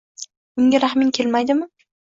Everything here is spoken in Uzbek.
- Unga rahming kelmaydimi?